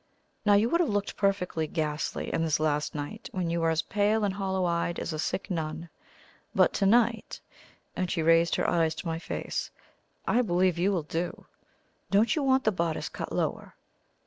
"Now, you would have looked perfectly ghastly in this last night, when you were as pale and hollow eyed as a sick nun; but to night," and she raised her eyes to my face, "I believe you will do. Don't you want the bodice cut lower?"